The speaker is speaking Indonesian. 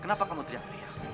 kenapa kamu teriak teriak